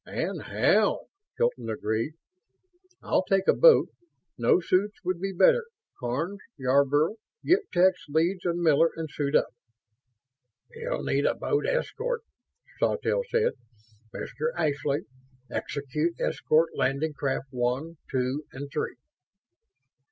"And how!" Hilton agreed. "I'll take a boat ... no, suits would be better. Karns, Yarborough, get Techs Leeds and Miller and suit up." "You'll need a boat escort," Sawtelle said. "Mr. Ashley, execute escort Landing Craft One, Two, and Three."